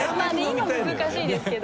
今難しいですけど。